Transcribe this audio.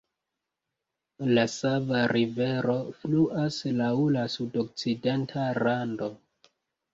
La Sava Rivero fluas laŭ la sudokcidenta rando.